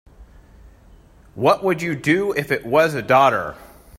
What would you do if it was a daughter?